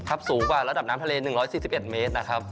สูงกว่าระดับน้ำทะเล๑๔๑เมตรนะครับ